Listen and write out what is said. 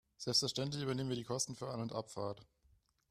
Selbstverständlich übernehmen wir die Kosten für An- und Abfahrt.